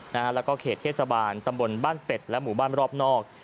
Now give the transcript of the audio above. แล้วก็เขตเทศบาลตำบลบ้านเป็ดและหมู่บ้านรอบนอก